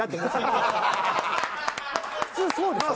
普通そうでしょ？